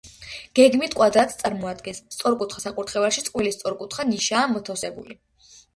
გეგმით კვადრატს წარმოადგენს, სწორკუთხა საკურთხეველში წყვილი სწორკუთხა ნიშაა მოთავსებული.